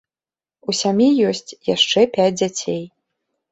У сям'і ёсць яшчэ пяць дзяцей.